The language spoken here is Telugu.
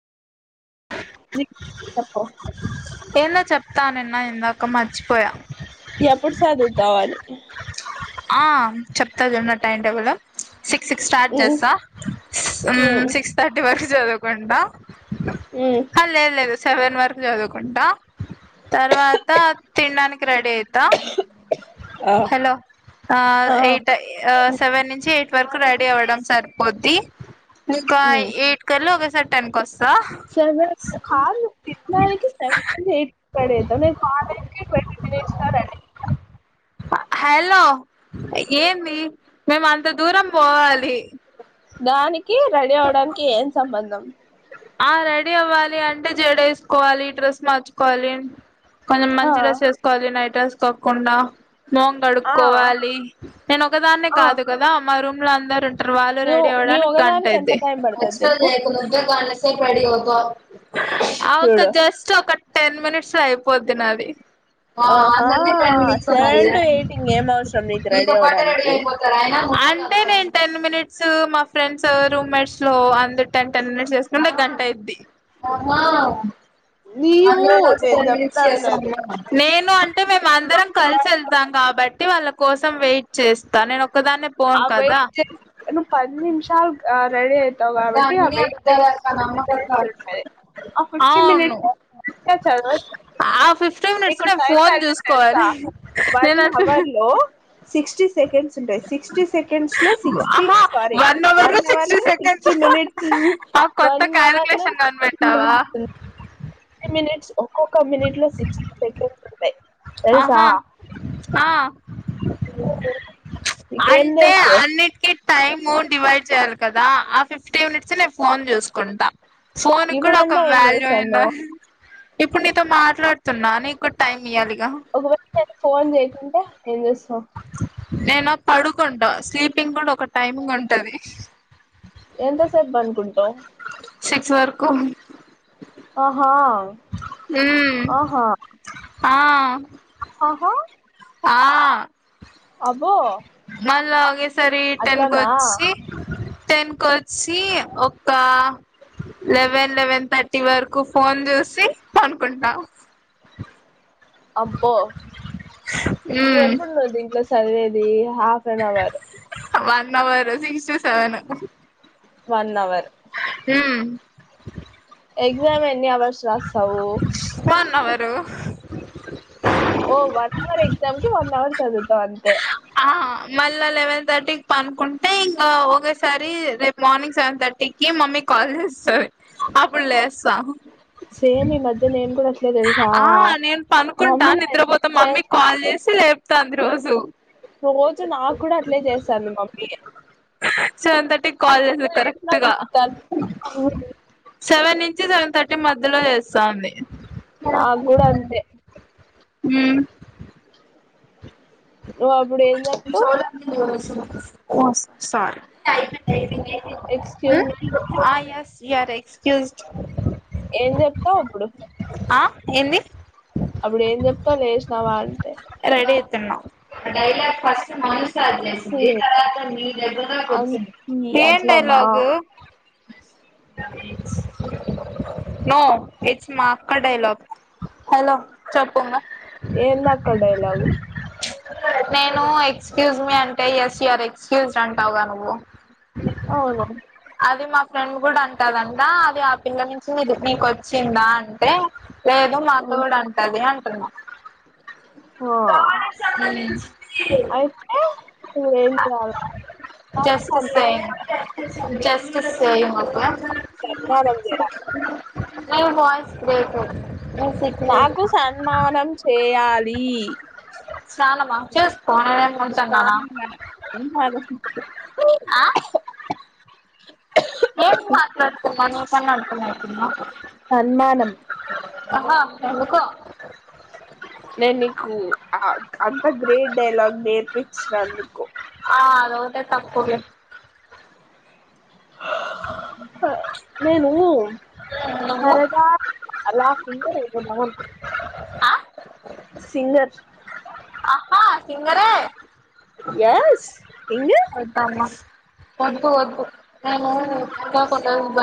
చెప్పకో చెప్తానన్న ఇందాక మర్చిపోయా దాని ఆ చెప్తది ఉన్న time table six six start మ్మ్ చేస్తా మ్మ్ సిక్స్ థర్టీ వరకు చదువుకుండా మ్మ్ లేదు లేదు సెవెన్ వరకు చదువుకుంటా తర్వాత తినడానికి రెడీ అయితా ఆ హలో ఆ ఎయిట్ సెవెన్ నుంచి ఎట్ వరకు రెడీ అవడం సరిపోద్ది ఇంకా ఎయిట్ కల్లా సవె ఒకేసారి టెన్ కి వస్తా క సెవె పడట్వట్ రే హలో ఏంది మేము అంత దూరం పోవాలి దాని క రెడీ అవ్వడానికి ఏం సంబంధం ఆ రెడీ అవ్వాలి అంటే జడ వేసుకోవాలి డ్రస్ మార్చుకోవాలి కొంచెం ఆ మంచి డ్రెస్ ఏసుకోవాలి నైట్ తెలుసుకోకుండా మొఖం ఆ కడుక్కోవాలి నేను ఒకదాన్నే ఆ కాదు కదా మా రూమ్ రూమ్ లో అందరు వాళ్ళు నీవు రెడీ నీ అవ్వడానికి గంట ఒకదానికి ఎంత అయిద్ది టైం పడుతది చెప్పు ఎంత సేప్ రెడీ అవుతవ్ ఆ ఒక్క చూడు జస్ట్ ఒక టెన్ మినిట్స్ లో అయిపొ తినాలి ఆహా సెవెన్ టు ఎయిట్ ఇంగ ఏం అవసరం నీకు నీతో రెడీ పాటే రెడీ అవ్వడానికి అయిపోతారు ఆయన అంటే నేను టెన్ మినిట్స్, మా ఫ్రెండ్స్ రూమ్ మేట్స్ లో అందు టెన్ టెన్ మినిట్స్ చేస్. ముంద గంట అయిద్ధి నీవు నేను చెప్తాండేది నేను అంటే మేము అందరం నా కలిసి వెళ్తాం కాబట్టి వాళ్ళ కోసం వెయిట్ చేస్తా నేను ఒకదాన్నే ఆ పోను కదా వెయిట్ చేసి నువ్వు పది నిమిషాలు ఆ రెడీ అయితావు కాబట్టి ఆ వెయిట్ చేసి ఫిఫ్టీ మినిట్స్ ఉంటది ఆ [unintelligible] ఫిఫ్టీ అవును మినిట్స్ చదవచ్చు ఆ ఫిఫ్టీ మినిట్స్ నీకు నేను టైం ఫోన్ వాల్యూ తెలుసా చూసుకోవాలి వన్ నేను అ అవర్ లో సిక్స్టీ సెకండ్స్ ఉంటాయి సిక్స్టీ సెకండ్స్ లో సిక్స్టీ సారీ వన్ అవర్ లో సిక్స్టీ మినిట్స్ ఆ కొత్త వన్ అవర్ లో కాలికిలేషన్ సిక్స్టీ కనిపెట్టావా మినిట్స్ సిక్స్టీ మినిట్స్ ఒక్కొక్క మినిట్ లో సిక్స్టీ సెకండ్స్ ఉంటాయి తెలుసా ఆహా ఆ నీకేం అంటే తెలుసు అన్నిటికి టైమ్ డివైడ్ చేయాలి కదా అ ఫిఫ్ ఫ్టీ మినిట్స్ నే ఫోన్ చేసుకుంటా ఫోన్ కూడా ఒక ఇప్పుడంతా ఏం వాల్యూ అయింద చేస్తాన్నావ్ ఇప్పుడు నీతో మాట్లాడ్ స్తున్న నికు టైమ్ ఒకవేళ నేను ఫోన్ చేయకుంటే ఎం చేస్తవ్ నేను పడుకుంటా స్లీప్ ఎంత సేపు పనుకుంటావ్ సిక్స్ వర్ కు అహ ఉమ్ ఆ అ ఆహా ఆ అబ్ మళ్ళా ఆగేసరి టెన్కు అట్లనా కొచ్చి టెన్ కు వచ్చి ఒక లెవెన్ లెవెన్ థర్ టి వరకు ఫోన్ చేూసి పండుకుంట అబ్బో మ్మ్ ఇంగెప్పుడు నువ్ దింట్ల స్ చదివేది half an hour one hour six to seven one hour hmm exam ఎన్ని అవర్స్ రాస్తావు వన్ అవర్ ఓ వర్క్ వర్ ఎగ్జామ్ కి వన్ అవర్ చదువుతావు అంతే ఆ మళ్ళ లెవెన్ థర్టీకి పనుకుంటే ఇంకా ఒకేసారి రేపు మార్నింగ్ సెవెన్ థర్టీకిి మమ్మీ కాల్ చేస్తంది అప్పుడు లేస్తా సేమ్ ఈ మధ్య నేను కూడా అట్లే తెలుసా ఆ నేను పనుకుంటా మమ్మీ నిద్రపోతే లే మమ్మీకి కాల్ చేసి లేపుతాంది రోజు రోజు నాకు కూడా అట్లే చేసాంది మమ్మీ సేవన్ తర్టీ కి కాల్ కాల్ చేస్తది లేటుగా కరెక్ట్ గా చెప్తాను. సెవెన్ ను సెవెన్ తర్టీ మధ్యలో చేస్త సాధి [inaudible] నాకు కూడా అంతే హు నువ్వు అప్పుడు ఏం నేను చెప్తావ్ స్లోగా నువ్వు ఏమో ఇస్తునావు ఓ సారీ ఎక్స్క్యూజ్ మీ ఏంది ఆ ఏస్ యూ ఆర్ ఎక్స్క్యూస్ ఏం చెప్తావు అప్పుడు ఆ ఏంది అప్పుడు ఏం చెప్తా లేసినవా అంటే రెడీ అయితున్నా ఆ డైలాగ్ ఫస్ట్ మౌని స్టార్ట్ చేసింది హ్మ్. తర్వాత ని దగ్గర నాకు అన్- వచ్చింది ఈ ఏం అట్లానా డైలాగు నో ఇట్స్ మా అక్క డైలగ్ హలో చెప్పంగా ఏంది అక్క డైలాగ్ నేను ఎక్స్క్యూజ్ మీ అంటే ఎస్ యుర్ ఎక్స్క్యూజ్డ్ అంటావా గా నువ్వు అవును అది మా ఫ్రెండ్ కూడా అంటదంటా అది ఆ పిల్ల నుంచి నీకు వచ్చిందా అంటే లేదు మా అక్క హ్మ్. కూడా అంటది అం వెళ్లిన [unintelligible] ఆ అయితే ఇప్పుడు ఏం చేయాలి నాకు జస్ట్ సన్మానం సేయింగ్ జస్ట్ సేయింగ్ మా అక్క అంతే నానేం చేయా మీ వాయిస్ బ్రేక్ ఆవు నాకు సన్మానం చేయాలి స్నానమా జస్ స్నానానికి పోయిన అన్ని ఆలోచించుకో [unintelligible] నేం మాట్లాడుతున్నా నీకన్న అర్థమవుతుందా సన్మానం అహ ఆ రుకో నేను నీకు అ అంత గ్రేట్ డైలాగ్ నేర్పించినందుకు నవ్వుతే తప్పుగ నేను నువ్వు సరదా అలా ఆ సింగర్ ఆ సింగరే ఏస్ ఇం వద్దు వద్దు నేను ఇంకా కొన్ని యదాం